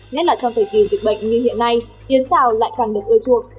nhất là trong thời kỳ dịch bệnh như hiện nay yến xào lại càng được ưa chuột